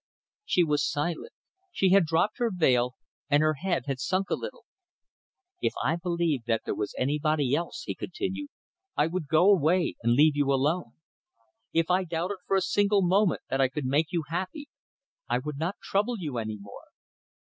She was silent. She had dropped her veil and her head had sunk a little. "If I believed that there was anybody else," he continued, "I would go away and leave you alone. If I doubted for a single moment that I could make you happy, I would not trouble you any more.